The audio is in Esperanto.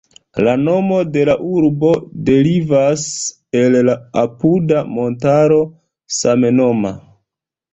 La nomo de la urbo derivas el la apuda montaro samnoma.